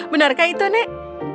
benarkah itu nek